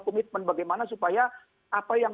komitmen bagaimana supaya apa yang